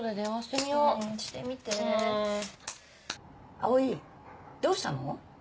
蒼どうしたの？